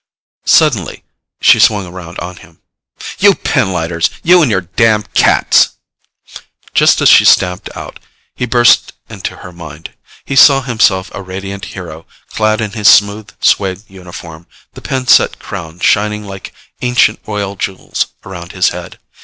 Suddenly she swung around on him. "You pinlighters! You and your damn cats!" Just as she stamped out, he burst into her mind. He saw himself a radiant hero, clad in his smooth suede uniform, the pin set crown shining like ancient royal jewels around his head.